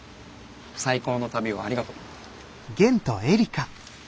最高の旅をありがとう。